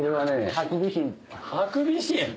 ハクビシン。